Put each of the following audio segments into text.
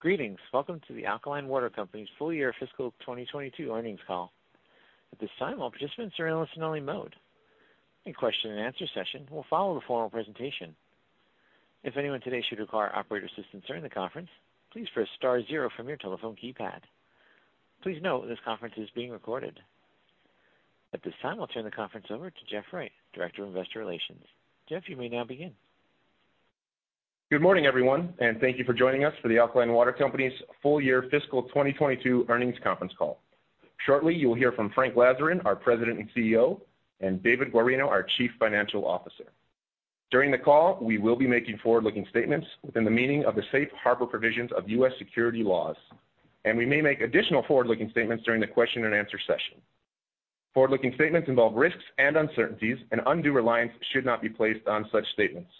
Greetings. Welcome to The Alkaline Water Company's Full Year Fiscal 2022 Earnings Call. At this time, all participants are in listen-only mode. A question-and-answer session will follow the formal presentation. If anyone today should require operator assistance during the conference, please press star zero from your telephone keypad. Please note this conference is being recorded. At this time, I'll turn the conference over to Jeff Wright, Director of Investor Relations. Jeff, you may now begin. Good morning, everyone, and thank you for joining us for The Alkaline Water Company's full year fiscal 2022 earnings conference call. Shortly, you will hear from Frank Lazaran, our President and CEO, and David Guarino, our Chief Financial Officer. During the call, we will be making forward-looking statements within the meaning of the safe harbor provisions of U.S. securities laws, and we may make additional forward-looking statements during the question and answer session. Forward-looking statements involve risks and uncertainties, and undue reliance should not be placed on such statements.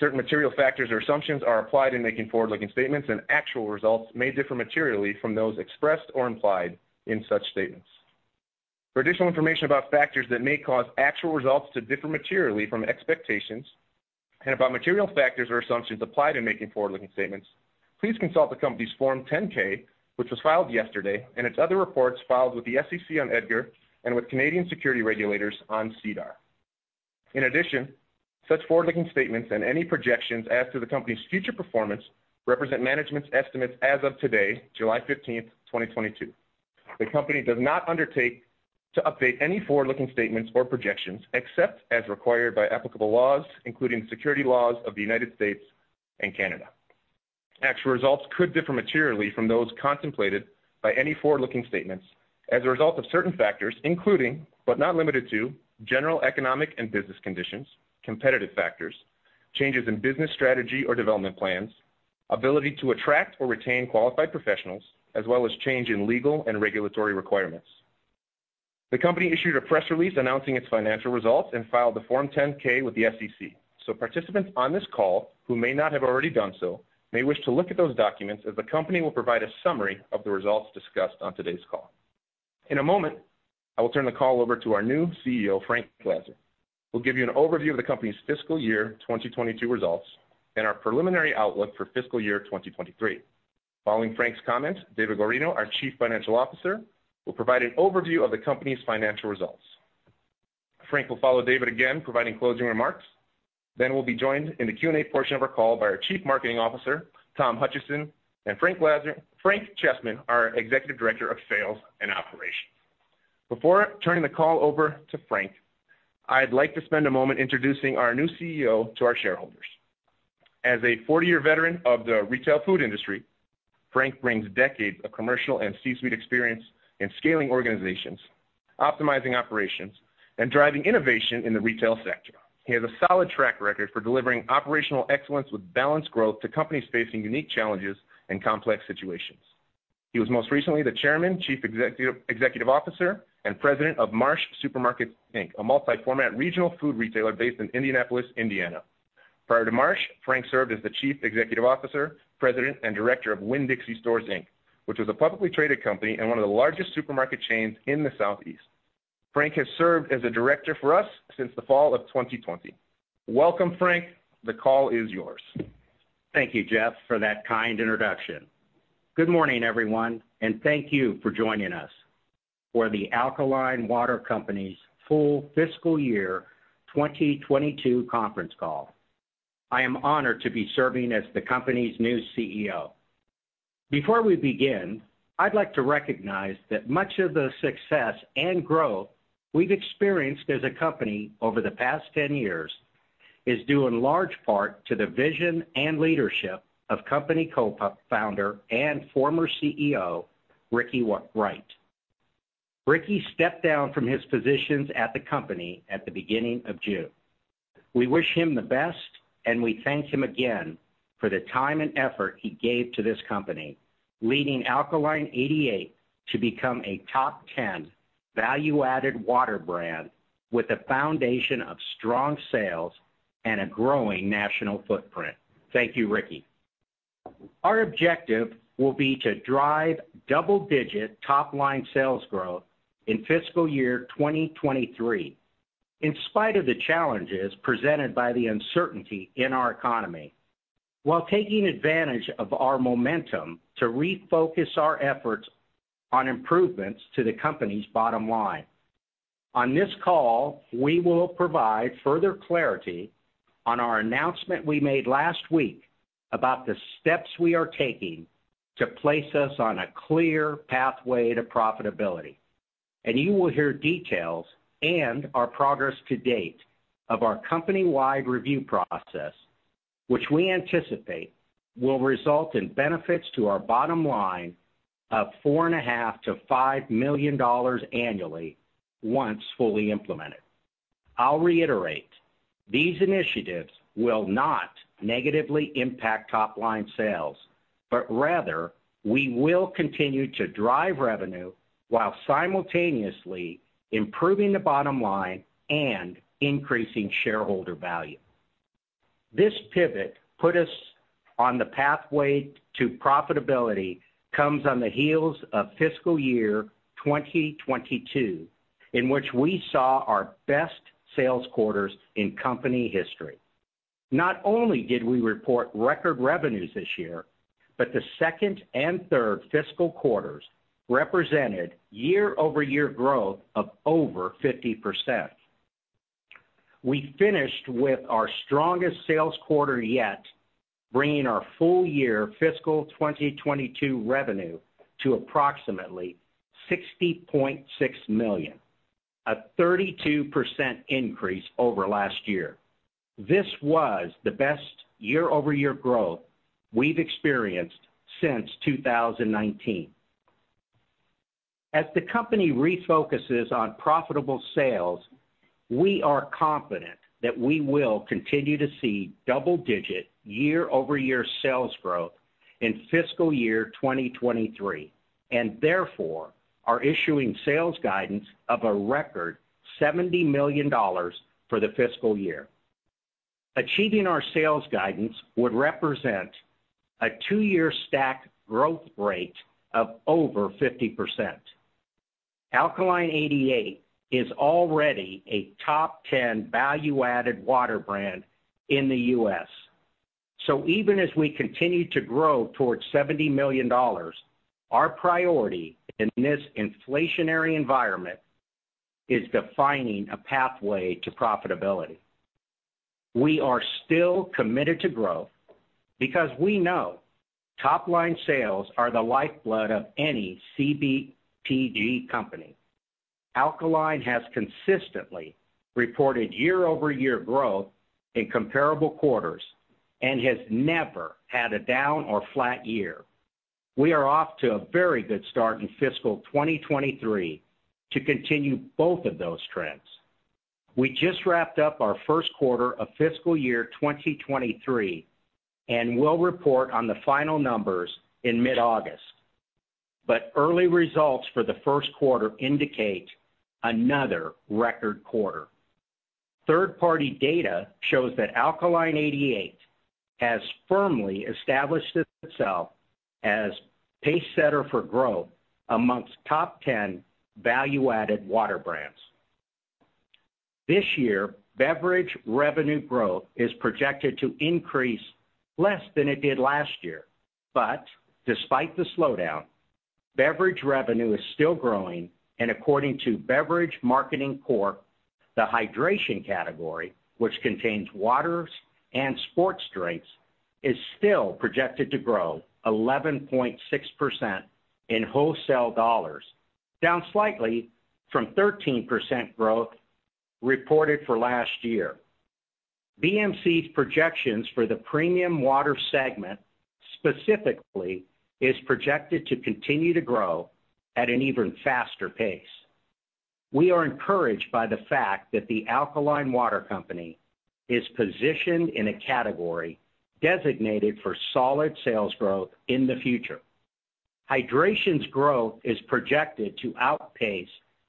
Certain material factors or assumptions are applied in making forward-looking statements, and actual results may differ materially from those expressed or implied in such statements. For additional information about factors that may cause actual results to differ materially from expectations and about material factors or assumptions applied in making forward-looking statements, please consult the company's Form 10-K, which was filed yesterday, and its other reports filed with the SEC on EDGAR and with Canadian securities regulators on SEDAR. In addition, such forward-looking statements and any projections as to the company's future performance represent management's estimates as of today, July 15th, 2022. The company does not undertake to update any forward-looking statements or projections except as required by applicable laws, including securities laws of the United States and Canada. Actual results could differ materially from those contemplated by any forward-looking statements as a result of certain factors, including, but not limited to, general economic and business conditions, competitive factors, changes in business strategy or development plans, ability to attract or retain qualified professionals, as well as change in legal and regulatory requirements. The company issued a press release announcing its financial results and filed the Form 10-K with the SEC. Participants on this call who may not have already done so may wish to look at those documents, as the company will provide a summary of the results discussed on today's call. In a moment, I will turn the call over to our new CEO, Frank Lazaran, who'll give you an overview of the company's fiscal year 2022 results and our preliminary outlook for fiscal year 2023. Following Frank's comments, David Guarino, our Chief Financial Officer, will provide an overview of the company's financial results. Frank will follow David again, providing closing remarks. Then we'll be joined in the Q&A portion of our call by our Chief Marketing Officer, Tom Hutchison, and Frank Chessman, our Executive Director of Sales and Operations. Before turning the call over to Frank, I'd like to spend a moment introducing our new CEO to our shareholders. As a 40-year veteran of the retail food industry, Frank brings decades of commercial and C-suite experience in scaling organizations, optimizing operations, and driving innovation in the retail sector. He has a solid track record for delivering operational excellence with balanced growth to companies facing unique challenges and complex situations. He was most recently the Chairman, Chief Executive Officer, and President of Marsh Supermarkets, Inc., a multi-format regional food retailer based in Indianapolis, Indiana. Prior to Marsh, Frank served as the Chief Executive Officer, President, and Director of Winn-Dixie Stores, Inc., which was a publicly traded company and one of the largest supermarket chains in the Southeast. Frank has served as a director for us since the fall of 2020. Welcome, Frank. The call is yours. Thank you, Jeff, for that kind introduction. Good morning, everyone, and thank you for joining us for The Alkaline Water Company's full fiscal year 2022 conference call. I am honored to be serving as the company's new CEO. Before we begin, I'd like to recognize that much of the success and growth we've experienced as a company over the past 10 years is due in large part to the vision and leadership of company co-founder and former CEO, Ricky Wright. Ricky stepped down from his positions at the company at the beginning of June. We wish him the best, and we thank him again for the time and effort he gave to this company, leading Alkaline88 to become a top 10 value-added water brand with a foundation of strong sales and a growing national footprint. Thank you, Ricky. Our objective will be to drive double-digit top-line sales growth in fiscal year 2023, in spite of the challenges presented by the uncertainty in our economy, while taking advantage of our momentum to refocus our efforts on improvements to the company's bottom line. On this call, we will provide further clarity on our announcement we made last week about the steps we are taking to place us on a clear pathway to profitability, and you will hear details and our progress to date of our company-wide review process, which we anticipate will result in benefits to our bottom line of $4.5-$5 million annually once fully implemented. I'll reiterate, these initiatives will not negatively impact top-line sales, but rather we will continue to drive revenue while simultaneously improving the bottom line and increasing shareholder value. This pivot put us on the pathway to profitability comes on the heels of fiscal year 2022, in which we saw our best sales quarters in company history. Not only did we report record revenues this year, but the second and third fiscal quarters represented year-over-year growth of over 50%. We finished with our strongest sales quarter yet, bringing our full-year fiscal 2022 revenue to approximately $60.6 million, a 32% increase over last year. This was the best year-over-year growth we've experienced since 2019. As the company refocuses on profitable sales, we are confident that we will continue to see double-digit year-over-year sales growth in fiscal year 2023, and therefore are issuing sales guidance of a record $70 million for the fiscal year. Achieving our sales guidance would represent a two-year stack growth rate of over 50%. Alkaline88 is already a top 10 value-added water brand in the U.S. Even as we continue to grow towards $70 million, our priority in this inflationary environment is defining a pathway to profitability. We are still committed to growth because we know top-line sales are the lifeblood of any CPG company. Alkaline has consistently reported year-over-year growth in comparable quarters and has never had a down or flat year. We are off to a very good start in fiscal 2023 to continue both of those trends. We just wrapped up our first quarter of fiscal year 2023, and we'll report on the final numbers in mid-August. Early results for the first quarter indicate another record quarter. Third-party data shows that Alkaline88 has firmly established itself as pacesetter for growth amongst top 10 value-added water brands. This year, beverage revenue growth is projected to increase less than it did last year. Despite the slowdown, beverage revenue is still growing. According to Beverage Marketing Corp., the hydration category, which contains waters and sports drinks, is still projected to grow 11.6% in wholesale dollars, down slightly from 13% growth reported for last year. BMC's projections for the premium water segment specifically is projected to continue to grow at an even faster pace. We are encouraged by the fact that The Alkaline Water Company is positioned in a category designated for solid sales growth in the future. Hydration's growth is projected to outpace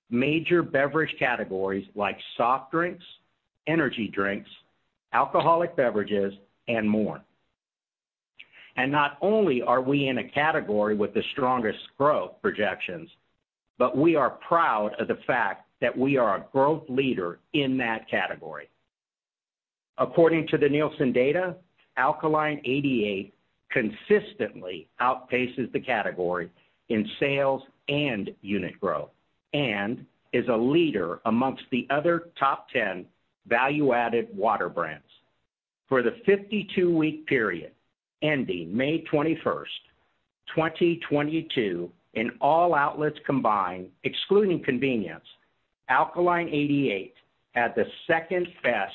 major beverage categories like soft drinks, energy drinks, alcoholic beverages, and more. Not only are we in a category with the strongest growth projections, but we are proud of the fact that we are a growth leader in that category. According to the Nielsen data, Alkaline88 consistently outpaces the category in sales and unit growth and is a leader amongst the other top 10 value-added water brands. For the 52-week period ending May 21st, 2022 in all outlets combined, excluding convenience, Alkaline88 had the second best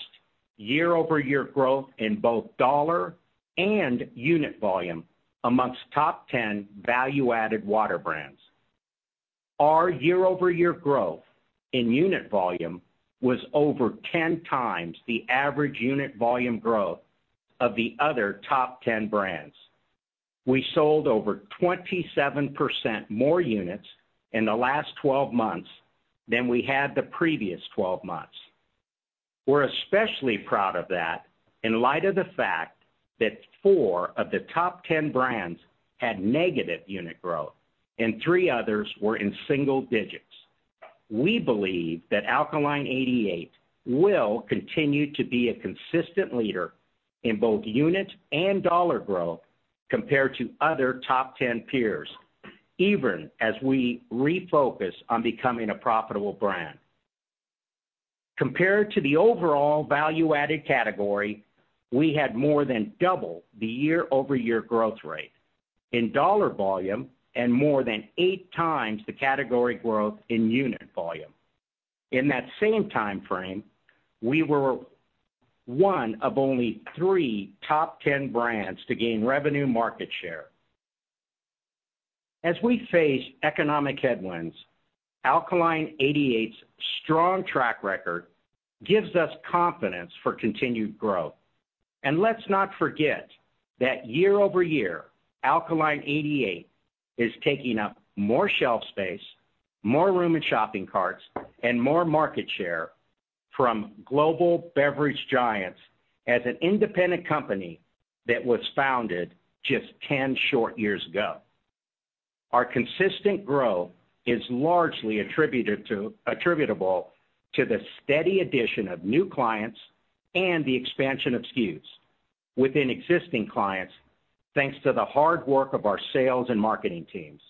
year-over-year growth in both dollar and unit volume amongst top 10 value-added water brands. Our year-over-year growth in unit volume was over 10 times the average unit volume growth of the other top 10 brands. We sold over 27% more units in the last 12 months than we had the previous 12 months. We're especially proud of that in light of the fact that four of the top 10 brands had negative unit growth and three others were in single digits. We believe that Alkaline88 will continue to be a consistent leader in both unit and dollar growth compared to other top 10 peers, even as we refocus on becoming a profitable brand. Compared to the overall value-added category, we had more than double the year-over-year growth rate in dollar volume and more than eight times the category growth in unit volume. In that same time frame, we were one of only three top 10 brands to gain revenue market share. As we face economic headwinds, Alkaline88's strong track record gives us confidence for continued growth. Let's not forget that year-over-year, Alkaline88 is taking up more shelf space, more room in shopping carts, and more market share from global beverage giants as an independent company that was founded just 10 short years ago. Our consistent growth is largely attributable to the steady addition of new clients and the expansion of SKUs within existing clients thanks to the hard work of our sales and marketing teams.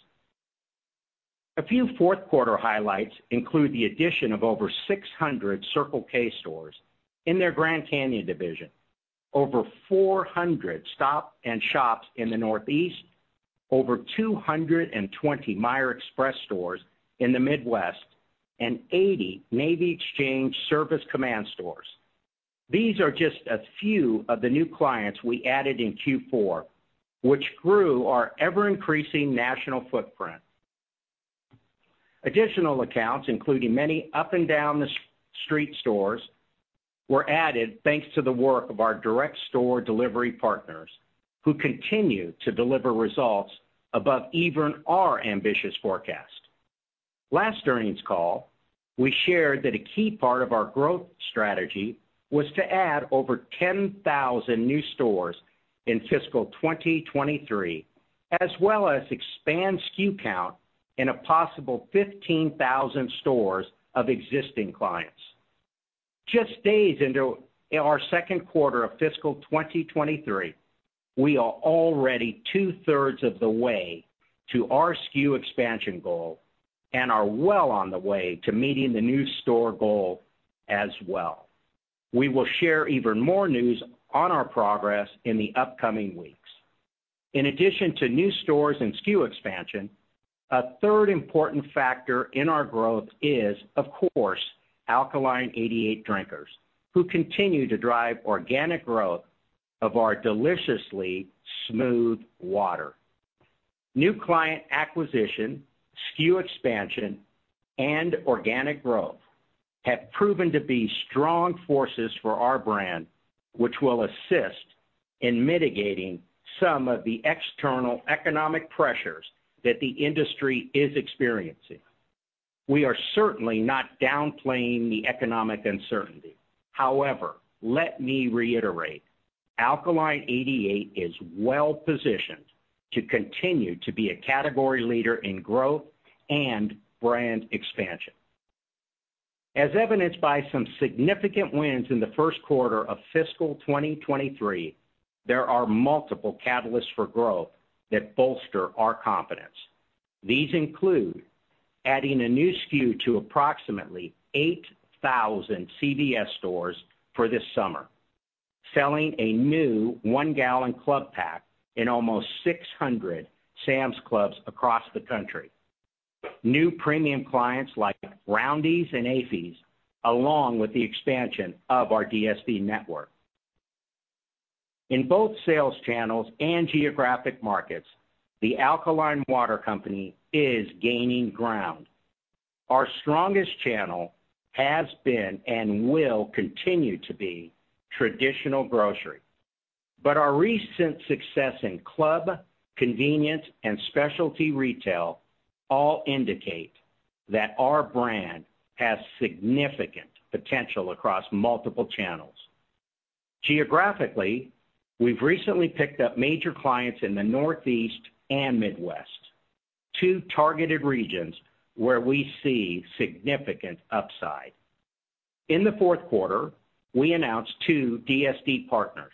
A few fourth quarter highlights include the addition of over 600 Circle K stores in their Grand Canyon division, over 400 Stop & Shop stores in the Northeast, over 220 Meijer Express stores in the Midwest, and 80 Navy Exchange Service Command stores. These are just a few of the new clients we added in Q4, which grew our ever-increasing national footprint. Additional accounts, including many up and down the street stores, were added thanks to the work of our direct store delivery partners, who continue to deliver results above even our ambitious forecast. Last earnings call, we shared that a key part of our growth strategy was to add over 10,000 new stores in fiscal 2023, as well as expand SKU count in possibly 15,000 stores of existing clients. Just days into our second quarter of fiscal 2023, we are already 2/3 of the way to our SKU expansion goal and are well on the way to meeting the new store goal as well. We will share even more news on our progress in the upcoming weeks. In addition to new stores and SKU expansion, a third important factor in our growth is, of course, Alkaline88 drinkers, who continue to drive organic growth of our deliciously smooth water. New client acquisition, SKU expansion, and organic growth have proven to be strong forces for our brand, which will assist in mitigating some of the external economic pressures that the industry is experiencing. We are certainly not downplaying the economic uncertainty. However, let me reiterate, Alkaline88 is well positioned to continue to be a category leader in growth and brand expansion. As evidenced by some significant wins in the first quarter of fiscal 2023, there are multiple catalysts for growth that bolster our confidence. These include adding a new SKU to approximately 8,000 CVS stores for this summer, selling a new 1-gallon club pack in almost 600 Sam's Clubs across the country, new premium clients like Roundy's and AAFES, along with the expansion of our DSD network. In both sales channels and geographic markets, The Alkaline Water Company is gaining ground. Our strongest channel has been and will continue to be traditional grocery. Our recent success in club, convenience, and specialty retail all indicate that our brand has significant potential across multiple channels. Geographically, we've recently picked up major clients in the Northeast and Midwest, two targeted regions where we see significant upside. In the fourth quarter, we announced two DSD partners,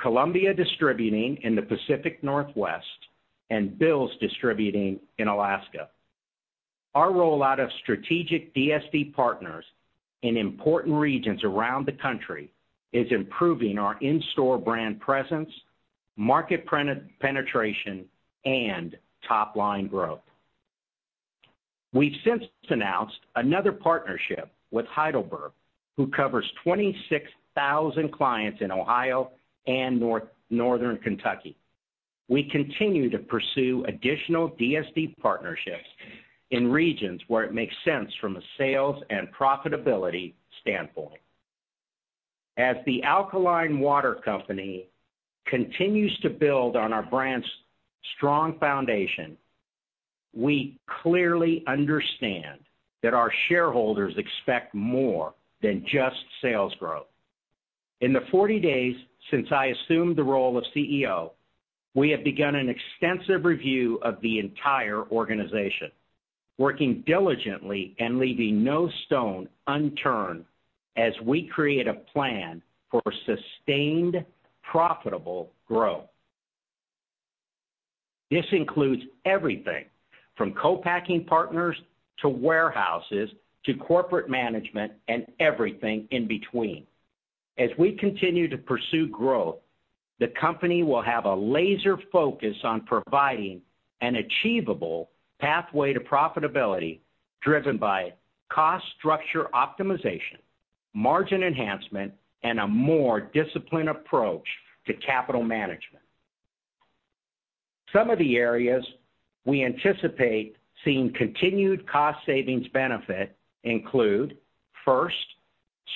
Columbia Distributing in the Pacific Northwest and Bill's Distributing in Alaska. Our rollout of strategic DSD partners in important regions around the country is improving our in-store brand presence, market penetration, and top-line growth. We've since announced another partnership with Heidelberg, who covers 26,000 clients in Ohio and Northern Kentucky. We continue to pursue additional DSD partnerships in regions where it makes sense from a sales and profitability standpoint. As The Alkaline Water Company continues to build on our brand's strong foundation, we clearly understand that our shareholders expect more than just sales growth. In the 40 days since I assumed the role of CEO, we have begun an extensive review of the entire organization, working diligently and leaving no stone unturned as we create a plan for sustained, profitable growth. This includes everything from co-packing partners to warehouses to corporate management and everything in between. As we continue to pursue growth, the company will have a laser focus on providing an achievable pathway to profitability driven by cost structure optimization, margin enhancement, and a more disciplined approach to capital management. Some of the areas we anticipate seeing continued cost savings benefit include, first,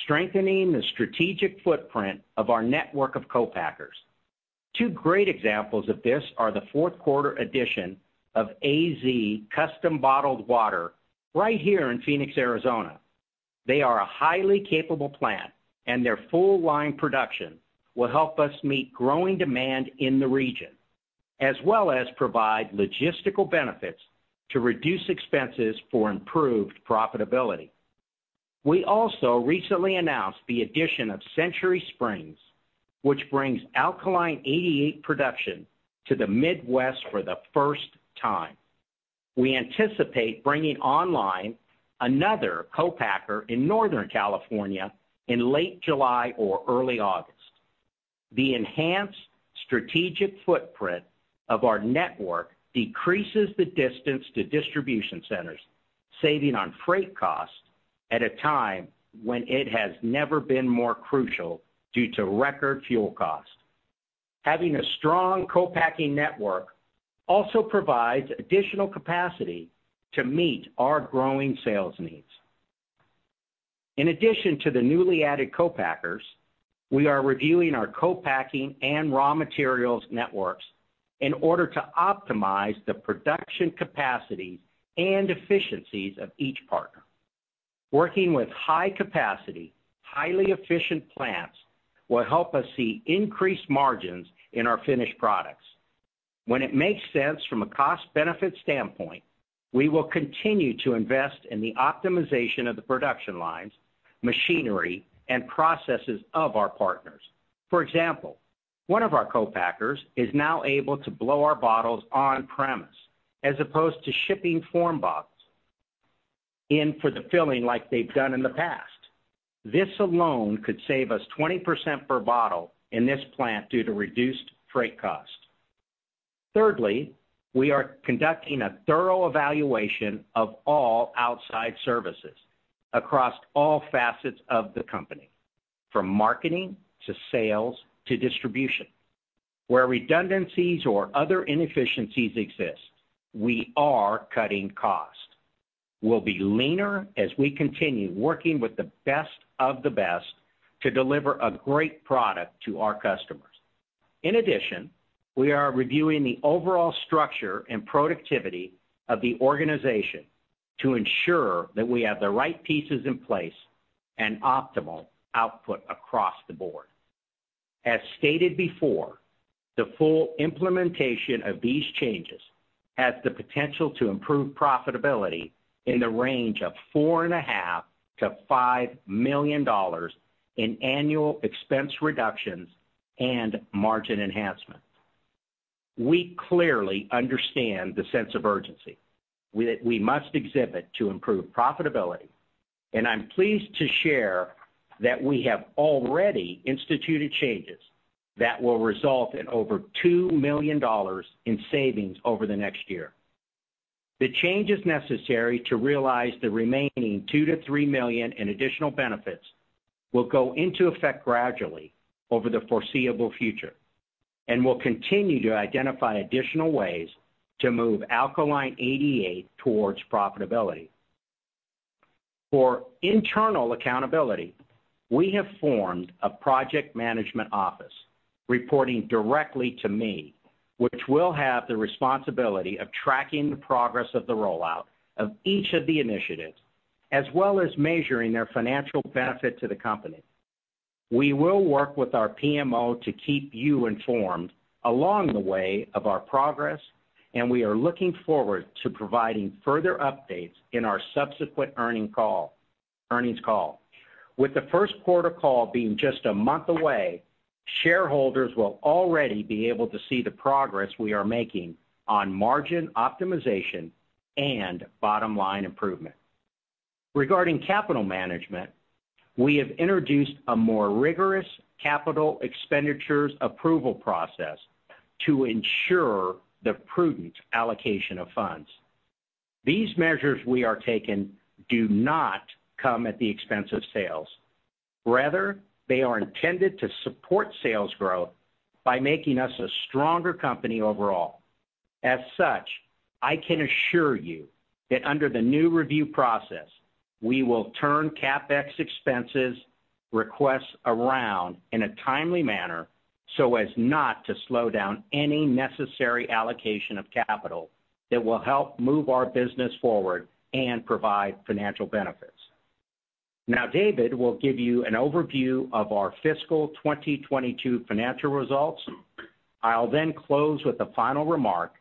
strengthening the strategic footprint of our network of co-packers. Two great examples of this are the fourth quarter addition of AZ Custom Bottled Water right here in Phoenix, Arizona. They are a highly capable plant, and their full line production will help us meet growing demand in the region, as well as provide logistical benefits to reduce expenses for improved profitability. We also recently announced the addition of Century Springs, which brings Alkaline88 production to the Midwest for the first time. We anticipate bringing online another co-packer in Northern California in late July or early August. The enhanced strategic footprint of our network decreases the distance to distribution centers, saving on freight costs at a time when it has never been more crucial due to record fuel costs. Having a strong co-packing network also provides additional capacity to meet our growing sales needs. In addition to the newly added co-packers, we are reviewing our co-packing and raw materials networks in order to optimize the production capacity and efficiencies of each partner. Working with high capacity, highly efficient plants will help us see increased margins in our finished products. When it makes sense from a cost-benefit standpoint, we will continue to invest in the optimization of the production lines, machinery, and processes of our partners. For example, one of our co-packers is now able to blow our bottles on premises as opposed to shipping preform bottles in for the filling like they've done in the past. This alone could save us 20% per bottle in this plant due to reduced freight costs. Thirdly, we are conducting a thorough evaluation of all outside services across all facets of the company, from marketing to sales to distribution. Where redundancies or other inefficiencies exist, we are cutting costs. We'll be leaner as we continue working with the best of the best to deliver a great product to our customers. In addition, we are reviewing the overall structure and productivity of the organization to ensure that we have the right pieces in place and optimal output across the board. As stated before, the full implementation of these changes has the potential to improve profitability in the range of $4.5 million-$5 million in annual expense reductions and margin enhancements. We clearly understand the sense of urgency that we must exhibit to improve profitability, and I'm pleased to share that we have already instituted changes that will result in over $2 million in savings over the next year. The changes necessary to realize the remaining $2million-$3 million in additional benefits will go into effect gradually over the foreseeable future and will continue to identify additional ways to move Alkaline88 towards profitability. For internal accountability, we have formed a project management office reporting directly to me, which will have the responsibility of tracking the progress of the rollout of each of the initiatives, as well as measuring their financial benefit to the company. We will work with our PMO to keep you informed along the way of our progress, and we are looking forward to providing further updates in our subsequent earnings call. With the first quarter call being just a month away, shareholders will already be able to see the progress we are making on margin optimization and bottom-line improvement. Regarding capital management, we have introduced a more rigorous capital expenditures approval process to ensure the prudent allocation of funds. These measures we are taking do not come at the expense of sales. Rather, they are intended to support sales growth by making us a stronger company overall. As such, I can assure you that under the new review process, we will turn CapEx expenses requests around in a timely manner so as not to slow down any necessary allocation of capital that will help move our business forward and provide financial benefits. Now, David will give you an overview of our fiscal 2022 financial results. I'll then close with a final remark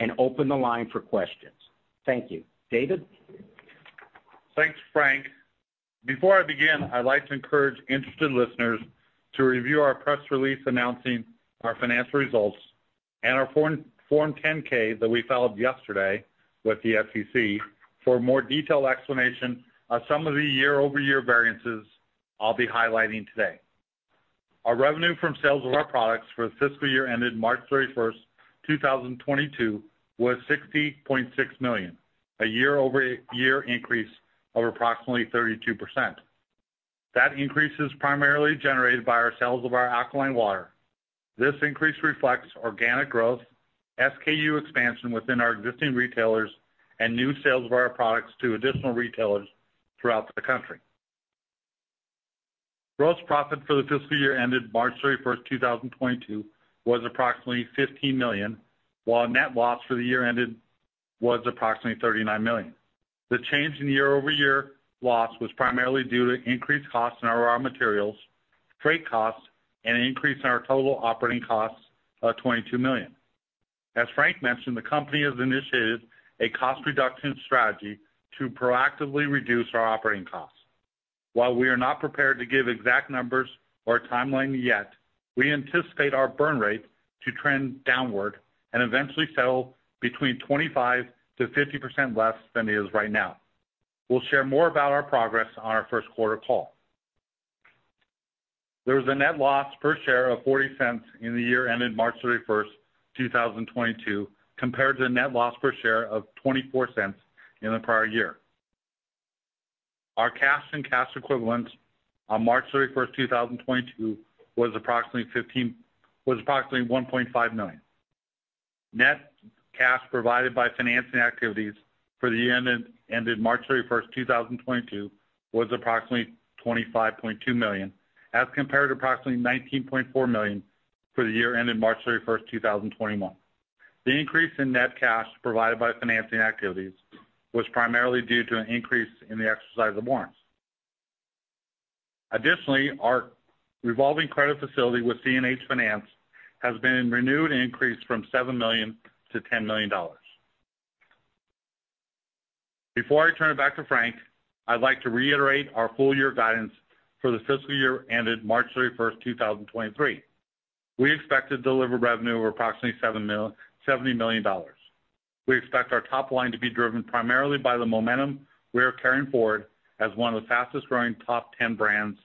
and open the line for questions. Thank you. David? Thanks, Frank. Before I begin, I'd like to encourage interested listeners to review our press release announcing our financial results and our Form 10-K that we filed yesterday with the SEC for a more detailed explanation of some of the year-over-year variances I'll be highlighting today. Our revenue from sales of our products for the fiscal year ended March 31st, 2022 was $60.6 million, a year-over-year increase of approximately 32%. That increase is primarily generated by our sales of our alkaline water. This increase reflects organic growth, SKU expansion within our existing retailers, and new sales of our products to additional retailers throughout the country. Gross profit for the fiscal year ended March 31st, 2022 was approximately $15 million, while net loss for the year ended was approximately $39 million. The change in year-over-year loss was primarily due to increased costs in our raw materials, freight costs, and an increase in our total operating costs of $22 million. As Frank mentioned, the company has initiated a cost reduction strategy to proactively reduce our operating costs. While we are not prepared to give exact numbers or a timeline yet, we anticipate our burn rate to trend downward and eventually settle between 25%-50% less than it is right now. We'll share more about our progress on our first quarter call. There was a net loss per share of $0.40 in the year ended March 31st, 2022, compared to a net loss per share of $0.24 in the prior year. Our cash and cash equivalents on March 31st, 2022 was approximately $1.5 million. Net cash provided by financing activities for the year ended March 31st, 2022 was approximately $25.2 million, as compared to approximately $19.4 million for the year ended March 31st, 2021. The increase in net cash provided by financing activities was primarily due to an increase in the exercise of warrants. Additionally, our revolving credit facility with CNH Finance has been renewed and increased from $7 million to $10 million. Before I turn it back to Frank, I'd like to reiterate our full-year guidance for the fiscal year ended March 31st, 2023. We expect to deliver revenue of approximately $70 million. We expect our top line to be driven primarily by the momentum we are carrying forward as one of the fastest growing top 10 brands.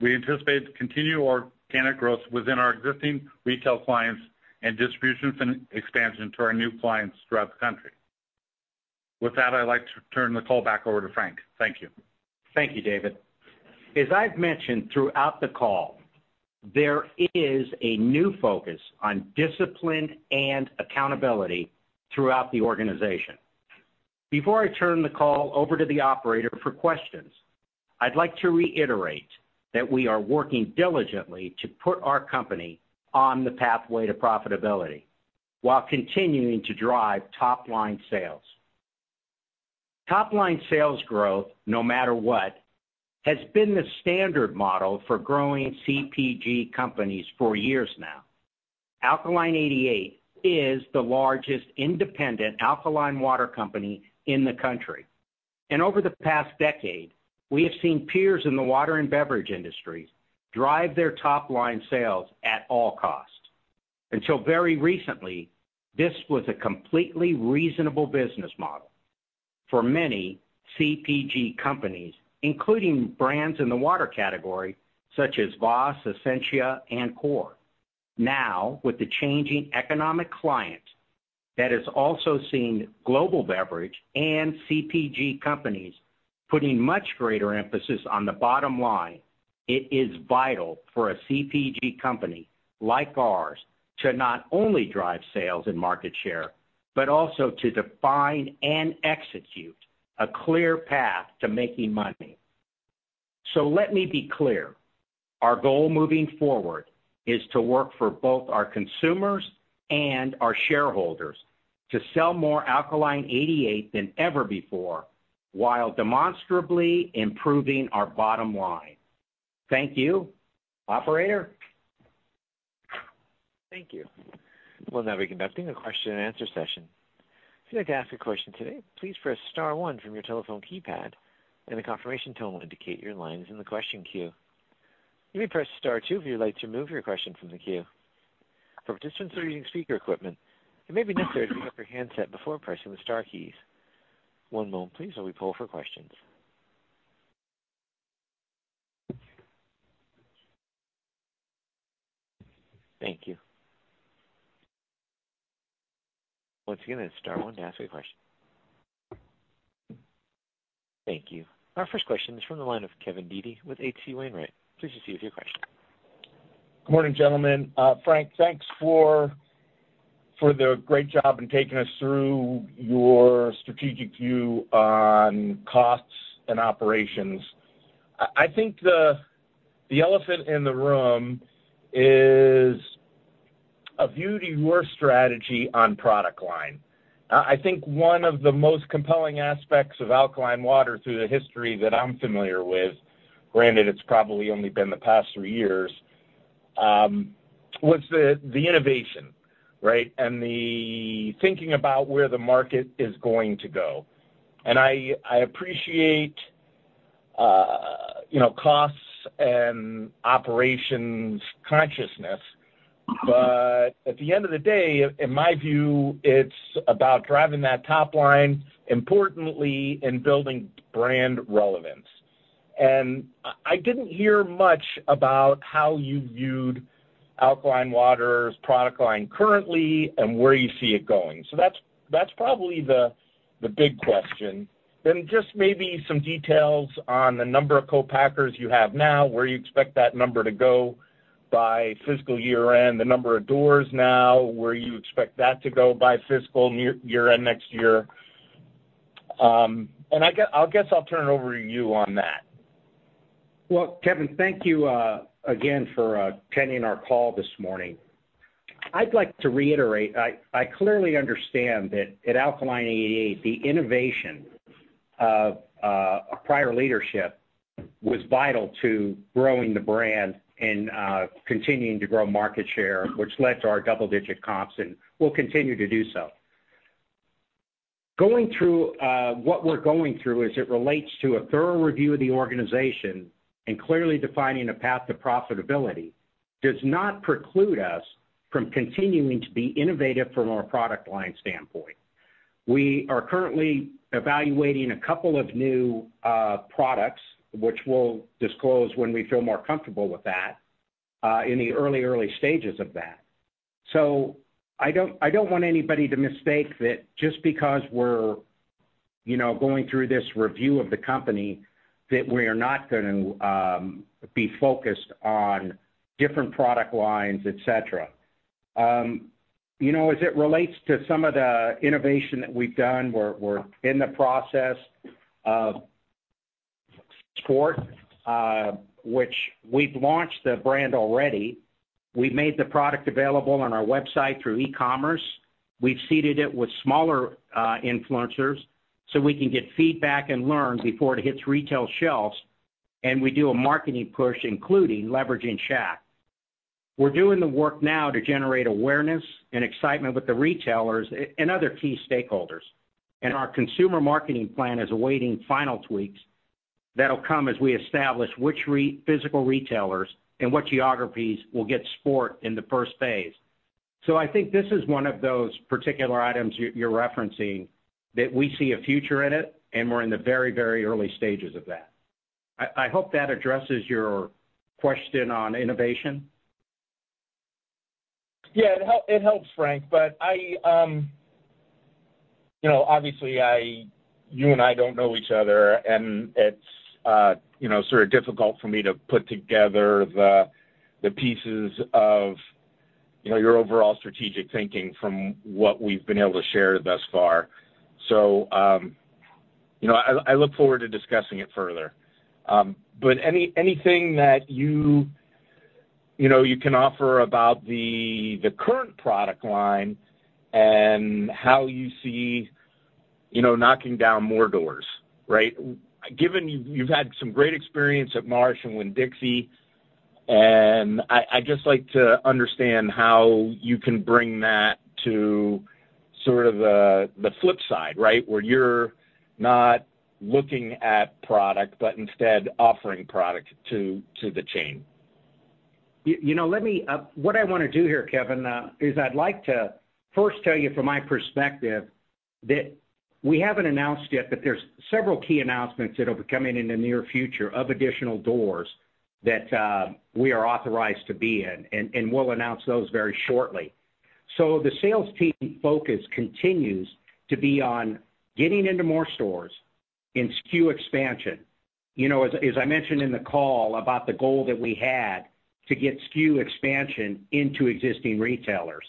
We anticipate to continue our organic growth within our existing retail clients and distribution expansion to our new clients throughout the country. With that, I'd like to turn the call back over to Frank. Thank you. Thank you, David. As I've mentioned throughout the call, there is a new focus on discipline and accountability throughout the organization. Before I turn the call over to the operator for questions, I'd like to reiterate that we are working diligently to put our company on the pathway to profitability while continuing to drive top line sales. Top-line sales growth, no matter what, has been the standard model for growing CPG companies for years now. Alkaline88 is the largest independent alkaline water company in the country. Over the past decade, we have seen peers in the water and beverage industry drive their top-line sales at all costs. Until very recently, this was a completely reasonable business model for many CPG companies, including brands in the water category such as VOSS, Essentia, and Core. Now, with the changing economic climate that has also seen global beverage and CPG companies putting much greater emphasis on the bottom line, it is vital for a CPG company like ours to not only drive sales and market share, but also to define and execute a clear path to making money. Let me be clear. Our goal moving forward is to work for both our consumers and our shareholders to sell more Alkaline88 than ever before while demonstrably improving our bottom line. Thank you. Operator? Thank you. We'll now be conducting a question-and-answer session. If you'd like to ask a question today, please press star one from your telephone keypad and a confirmation tone will indicate your line is in the question queue. You may press star two if you'd like to remove your question from the queue. For participants who are using speaker equipment, it may be necessary to pick up your handset before pressing the star keys. One moment please, while we poll for questions. Thank you. Once again, it's star one to ask a question. Thank you. Our first question is from the line of Kevin Dede with H.C. Wainwright. Please proceed with your question. Good morning, gentlemen. Frank, thanks for the great job in taking us through your strategic view on costs and operations. I think the elephant in the room is a view to your strategy on product line. I think one of the most compelling aspects of Alkaline Water through the history that I'm familiar with, granted it's probably only been the past three years, was the innovation, right? The thinking about where the market is going to go. I appreciate, you know, costs and operations consciousness. But at the end of the day, in my view, it's about driving that top line, importantly, in building brand relevance. I didn't hear much about how you viewed Alkaline Water's product line currently and where you see it going. That's probably the big question. Then just maybe some details on the number of co-packers you have now, where you expect that number to go by fiscal year-end, the number of doors now, where you expect that to go by fiscal year-end next year. I guess I'll turn it over to you on that. Well, Kevin, thank you again for attending our call this morning. I'd like to reiterate, I clearly understand that at Alkaline88, the innovation of a prior leadership was vital to growing the brand and continuing to grow market share, which led to our double-digit comps and will continue to do so. Going through what we're going through as it relates to a thorough review of the organization and clearly defining a path to profitability does not preclude us from continuing to be innovative from our product line standpoint. We are currently evaluating a couple of new products which we'll disclose when we feel more comfortable with that in the early stages of that. I don't want anybody to mistake that just because we're, you know, going through this review of the company that we're not gonna be focused on different product lines, et cetera. You know, as it relates to some of the innovation that we've done, we're in the process of Sport, which we've launched the brand already. We've made the product available on our website through e-commerce. We've seeded it with smaller influencers so we can get feedback and learn before it hits retail shelves, and we do a marketing push, including leveraging Shaq. We're doing the work now to generate awareness and excitement with the retailers and other key stakeholders. Our consumer marketing plan is awaiting final tweaks that'll come as we establish which physical retailers and what geographies will get Sport in the first phase. I think this is one of those particular items you're referencing that we see a future in it, and we're in the very, very early stages of that. I hope that addresses your question on innovation. Yeah, it helps, Frank, but I, you know, obviously, you and I don't know each other, and it's, you know, sort of difficult for me to put together the pieces of, you know, your overall strategic thinking from what we've been able to share thus far. You know, I look forward to discussing it further. But anything that you know, you can offer about the current product line and how you see, you know, knocking down more doors, right? Given you've had some great experience at Marsh and Winn-Dixie, and I'd just like to understand how you can bring that to sort of the flip side, right? Where you're not looking at product, but instead offering product to the chain. What I wanna do here, Kevin, is I'd like to first tell you from my perspective that we haven't announced yet, but there's several key announcements that'll be coming in the near future of additional doors that we are authorized to be in, and we'll announce those very shortly. The sales team focus continues to be on getting into more stores and SKU expansion. You know, as I mentioned in the call about the goal that we had to get SKU expansion into existing retailers.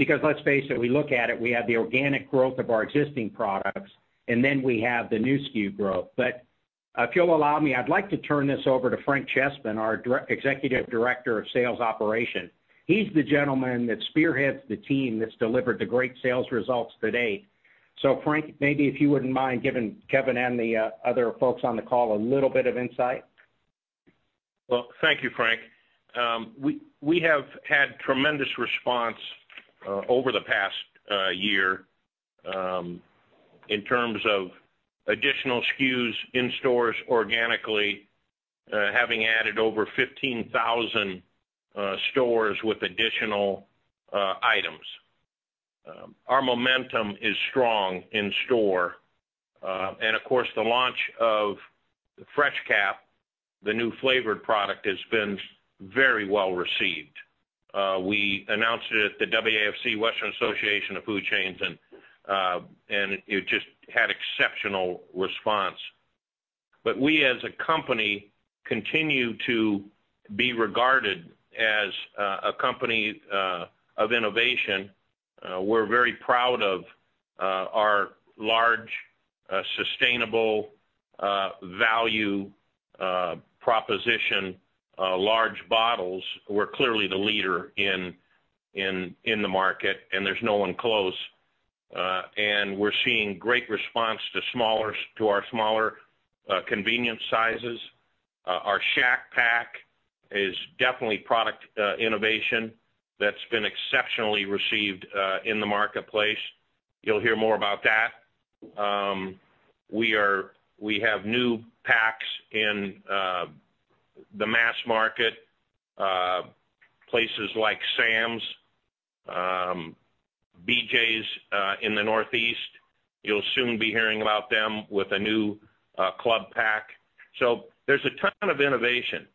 Let's face it, we look at it, we have the organic growth of our existing products, and then we have the new SKU growth. If you'll allow me, I'd like to turn this over to Frank Chessman, our Executive Director of Sales and Operations. He's the gentleman that spearheads the team that's delivered the great sales results to date. Frank, maybe if you wouldn't mind giving Kevin and the other folks on the call a little bit of insight. Well, thank you, Frank. We have had tremendous response over the past year in terms of additional SKUs in stores organically, having added over 15,000 stores with additional items. Our momentum is strong in store. Of course, the launch of FreshCap, the new flavored product, has been very well-received. We announced it at the WAFC, Western Association of Food Chains, and it just had exceptional response. We as a company continue to be regarded as a company of innovation. We're very proud of our large sustainable value proposition, large bottles. We're clearly the leader in the market, and there's no one close. We're seeing great response to our smaller convenience sizes. Our Shaq Paq is definitely product innovation that's been exceptionally received in the marketplace. You'll hear more about that. We have new packs in the mass market places like Sam's, BJ's in the Northeast. You'll soon be hearing about them with a new club pack. There's a ton of innovation.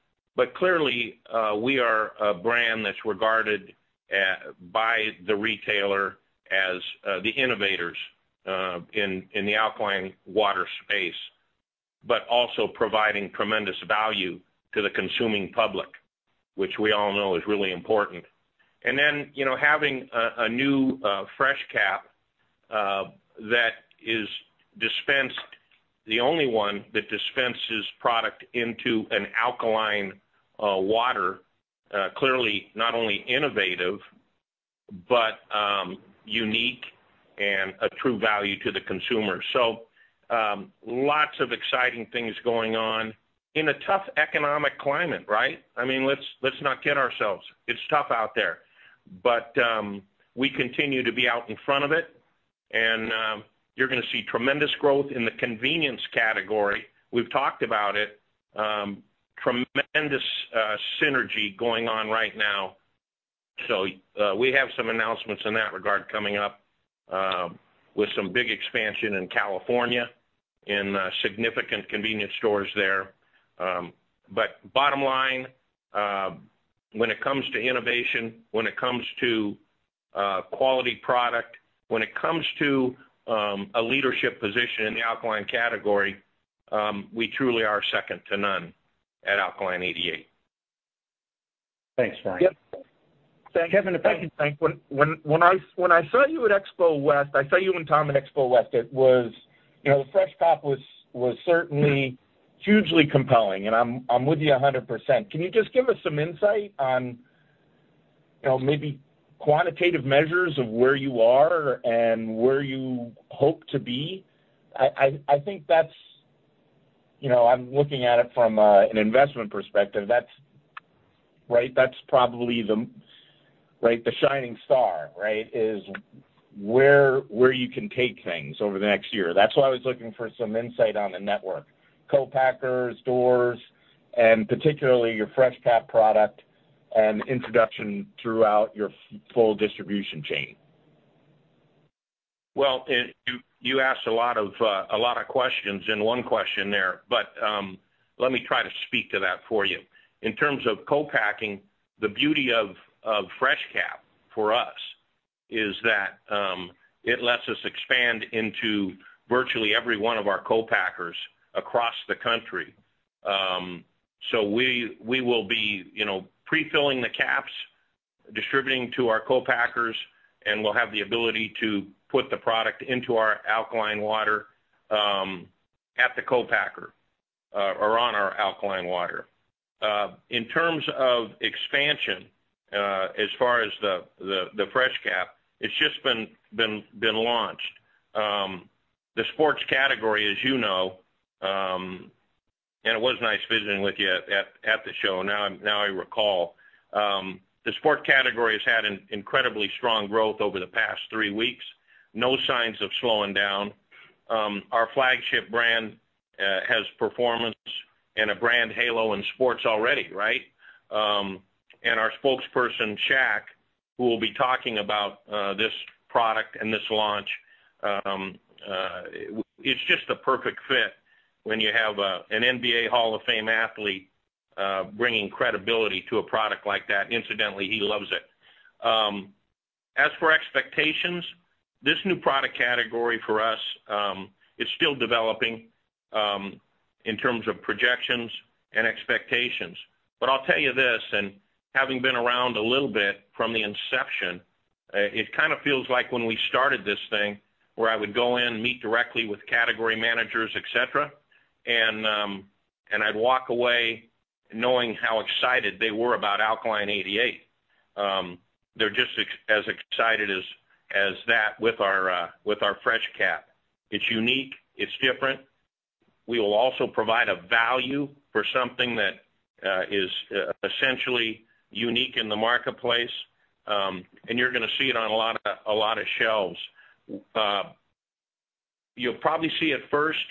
Clearly, we are a brand that's regarded by the retailer as the innovators in the alkaline water space. Also providing tremendous value to the consuming public, which we all know is really important. You know, having a new FreshCap that is the only one that dispenses product into an alkaline water clearly not only innovative, but unique and a true value to the consumer. Lots of exciting things going on in a tough economic climate, right? I mean, let's not kid ourselves. It's tough out there. We continue to be out in front of it, and you're gonna see tremendous growth in the convenience category. We've talked about it. Tremendous synergy going on right now. We have some announcements in that regard coming up, with some big expansion in California in significant convenience stores there. Bottom line, when it comes to innovation, when it comes to quality product, when it comes to a leadership position in the alkaline category, we truly are second to none at Alkaline88. Thanks, Frank. Yep. Kevin, if I can- Thank you, Frank. When I saw you and Tom at Expo West, it was, you know, FreshCap was certainly hugely compelling, and I'm with you 100%. Can you just give us some insight on, you know, maybe quantitative measures of where you are and where you hope to be? I think that's. You know, I'm looking at it from an investment perspective, that's right? That's probably the, like, the shining star, right? Is where you can take things over the next year. That's why I was looking for some insight on the network, co-packers, stores, and particularly your FreshCap product and introduction throughout your full distribution chain. Well, you asked a lot of questions in one question there, but let me try to speak to that for you. In terms of co-packing, the beauty of FreshCap for us is that it lets us expand into virtually every one of our co-packers across the country. So we will be, you know, pre-filling the caps, distributing to our co-packers, and we'll have the ability to put the product into our alkaline water at the co-packer or on our alkaline water. In terms of expansion, as far as the FreshCap, it's just been launched. The sports category, as you know. It was nice visiting with you at the show, now I recall. The sport category has had an incredibly strong growth over the past three weeks. No signs of slowing down. Our flagship brand has performance and a brand halo in sports already, right? Our spokesperson, Shaq, who will be talking about this product and this launch, it's just a perfect fit when you have an NBA Hall of Fame athlete bringing credibility to a product like that. Incidentally, he loves it. As for expectations, this new product category for us is still developing in terms of projections and expectations. I'll tell you this, having been around a little bit from the inception, it kind of feels like when we started this thing, where I would go in, meet directly with category managers, et cetera, and I'd walk away knowing how excited they were about Alkaline88. They're just as excited as that with our FreshCap. It's unique. It's different. We will also provide a value for something that is essentially unique in the marketplace, and you're gonna see it on a lot of shelves. You'll probably see it first,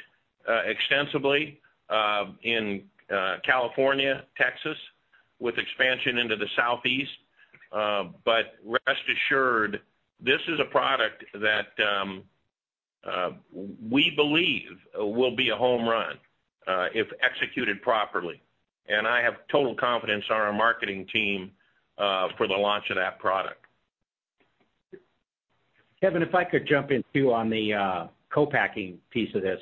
extensively, in California, Texas, with expansion into the Southeast. Rest assured, this is a product that we believe will be a home run, if executed properly. I have total confidence on our marketing team for the launch of that product. Kevin, if I could jump in too on the co-packing piece of this.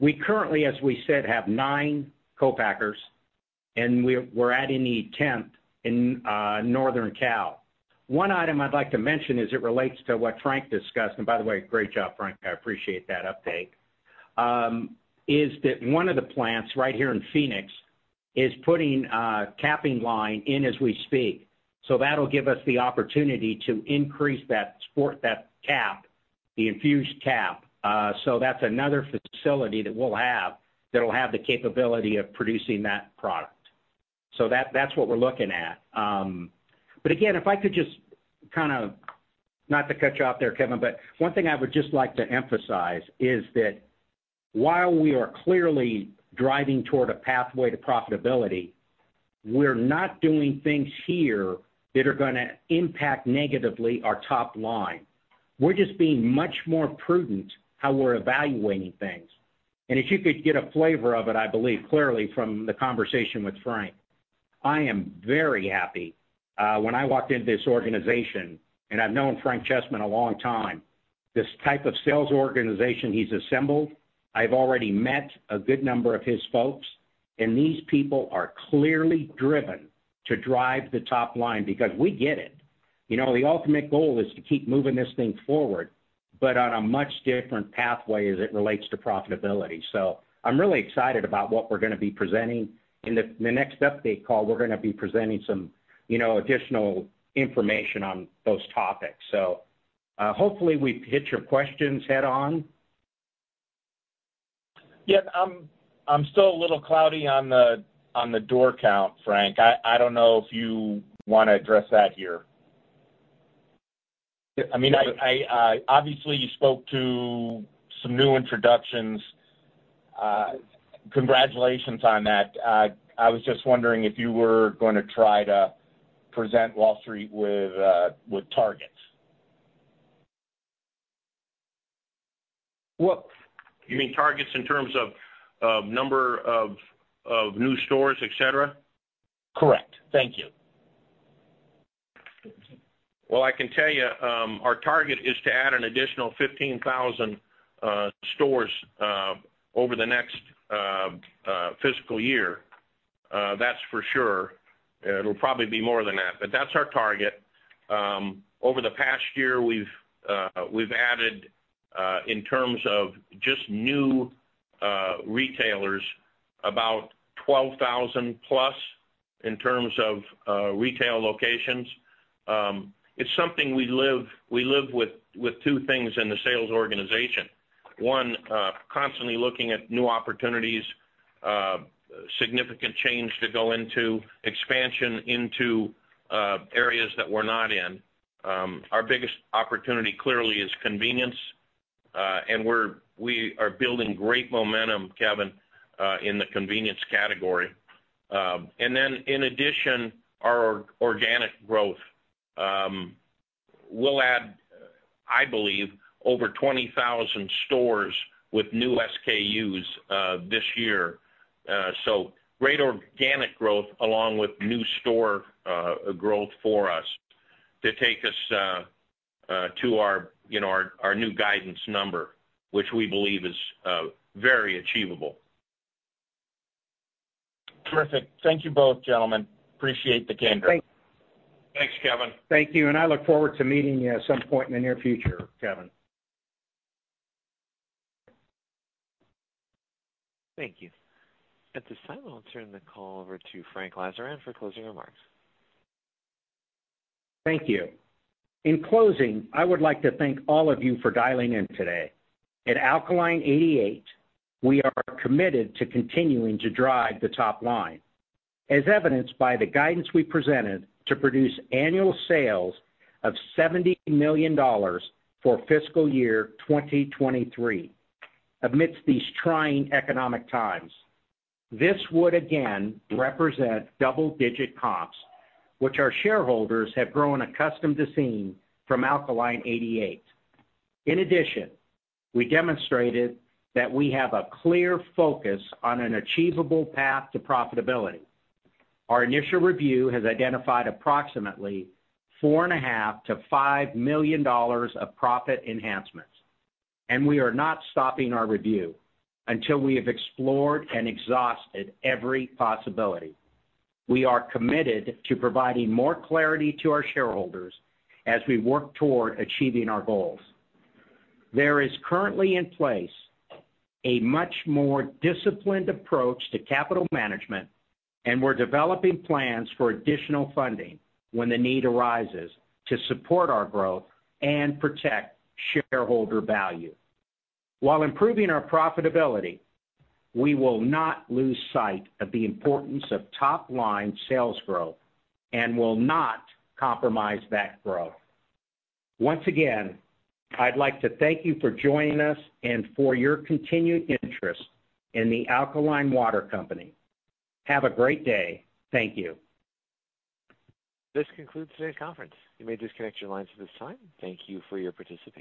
We currently, as we said, have nine co-packers, and we're adding the 10th in northern California. One item I'd like to mention as it relates to what Frank discussed, and by the way, great job, Frank, I appreciate that update, is that one of the plants right here in Phoenix is putting a capping line in as we speak. That'll give us the opportunity to increase that sport, that cap, the infused cap. That's another facility that we'll have that'll have the capability of producing that product. That's what we're looking at. Again, if I could just kind of... Not to cut you off there, Kevin, but one thing I would just like to emphasize is that while we are clearly driving toward a pathway to profitability, we're not doing things here that are gonna impact negatively our top line. We're just being much more prudent how we're evaluating things. As you could get a flavor of it, I believe, clearly from the conversation with Frank, I am very happy when I walked into this organization, and I've known Frank Chessman a long time, this type of sales organization he's assembled, I've already met a good number of his folks, and these people are clearly driven to drive the top line because we get it. You know, the ultimate goal is to keep moving this thing forward, but on a much different pathway as it relates to profitability. I'm really excited about what we're gonna be presenting. In the next update call, we're gonna be presenting some, you know, additional information on those topics. Hopefully we hit your questions head on. Yeah, I'm still a little cloudy on the door count, Frank. I don't know if you wanna address that here. Yes, I would. I mean, I obviously you spoke to some new introductions. I was just wondering if you were gonna try to present Wall Street with targets. Well- You mean targets in terms of number of new stores, et cetera? Correct. Thank you. Well, I can tell you, our target is to add an additional 15,000 stores over the next fiscal year. That's for sure. It'll probably be more than that, but that's our target. Over the past year, we've added in terms of just new retailers about 12,000 plus in terms of retail locations. It's something we live with two things in the sales organization. One, constantly looking at new opportunities, significant change to go into expansion into areas that we're not in. Our biggest opportunity clearly is convenience, and we are building great momentum, Kevin, in the convenience category. In addition, our organic growth, we'll add, I believe, over 20,000 stores with new SKUs this year. Great organic growth along with new store growth for us to take us to our, you know, our new guidance number, which we believe is very achievable. Terrific. Thank you both, gentlemen. Appreciate the candor. Thanks. Thanks, Kevin. Thank you, and I look forward to meeting you at some point in the near future, Kevin. Thank you. At this time, I'll turn the call over to Frank Lazaran for closing remarks. Thank you. In closing, I would like to thank all of you for dialing in today. At Alkaline88, we are committed to continuing to drive the top line, as evidenced by the guidance we presented to produce annual sales of $70 million for fiscal year 2023 amidst these trying economic times. This would again represent double-digit comps, which our shareholders have grown accustomed to seeing from Alkaline88. In addition, we demonstrated that we have a clear focus on an achievable path to profitability. Our initial review has identified approximately $4.5 million-$5 million of profit enhancements, and we are not stopping our review until we have explored and exhausted every possibility. We are committed to providing more clarity to our shareholders as we work toward achieving our goals. There is currently in place a much more disciplined approach to capital management, and we're developing plans for additional funding when the need arises to support our growth and protect shareholder value. While improving our profitability, we will not lose sight of the importance of top-line sales growth and will not compromise that growth. Once again, I'd like to thank you for joining us and for your continued interest in The Alkaline Water Company. Have a great day. Thank you. This concludes today's conference. You may disconnect your lines at this time. Thank you for your participation.